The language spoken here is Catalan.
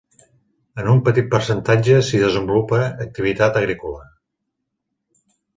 En un petit percentatge s'hi desenvolupa activitat agrícola.